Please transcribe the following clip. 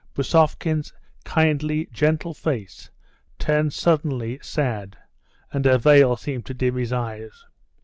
Bousovkin's kindly, gentle face turned suddenly sad and a veil seemed to dim his eyes.